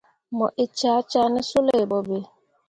Mu ee cah cah ne suley boɓe.